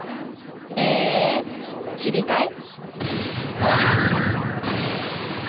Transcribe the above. え知りたい？うわ！